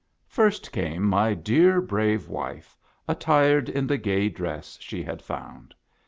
First came my dear, brave wife, attired in the gay dress she had found.